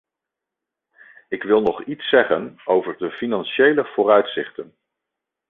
Ik wil nog iets zeggen over de financiële vooruitzichten.